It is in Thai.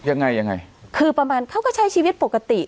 ยังไงยังไงคือประมาณเขาก็ใช้ชีวิตปกติ